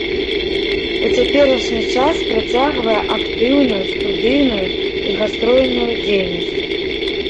У цяперашні час працягвае актыўную студыйную і гастрольную дзейнасць.